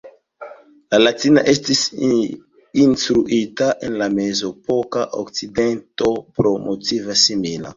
La latina estis instruita en la mezepoka Okcidento pro motivo simila.